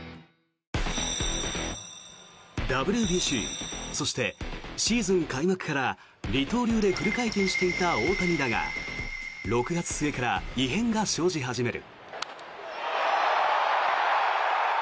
ＷＢＣ、そしてシーズン開幕から二刀流でフル回転していた大谷だが６月末から異変が生じ始める。